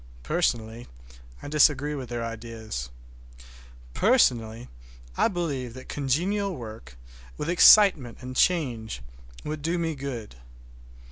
Personally, I disagree with their ideas. Personally, I believe that congenial work, with excitement and change, would do me good.